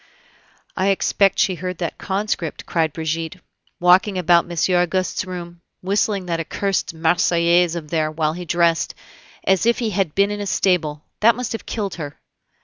"I expect she heard that conscript," cried Brigitte, "walking about Monsieur Auguste's room, whistling that accursed Marseillaise of theirs while he dressed, as if he had been in a stable! That must have killed her."